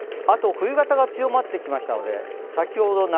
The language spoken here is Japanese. あと、冬型が強まってきましたので先ほど